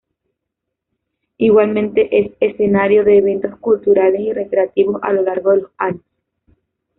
Igualmente es escenario de eventos culturales y recreativos a lo largo de los años.